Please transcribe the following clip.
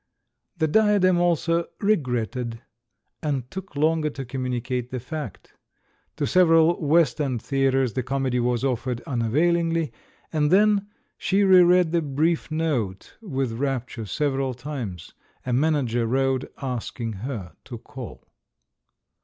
The Diadem also "regretted," and took longer to communicate the fact. To several West End theatres the comedy was offered unavail ingly; and then — she re read the brief note with rapture several times — a manager wrote asking her to call.